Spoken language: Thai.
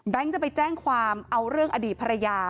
จะไปแจ้งความเอาเรื่องอดีตภรรยา